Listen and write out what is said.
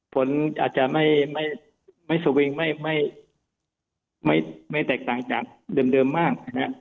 ผลอาจจะไม่สวิงไม่แตกต่างจากเดิมมาก